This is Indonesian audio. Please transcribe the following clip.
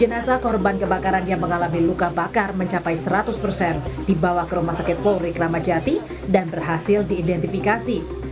jenazah korban kebakaran yang mengalami luka bakar mencapai seratus persen dibawa ke rumah sakit polri kramajati dan berhasil diidentifikasi